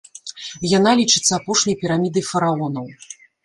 Яна лічыцца апошняй пірамідай фараонаў.